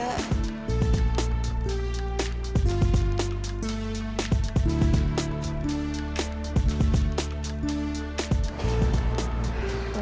jadi kita pusing juga